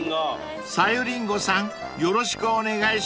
［さゆりんごさんよろしくお願いします］